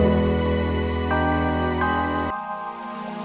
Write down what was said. kau lupa permintaan via whatsapp dari aku bro